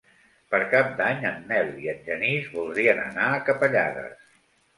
Per Cap d'Any en Nel i en Genís voldrien anar a Capellades.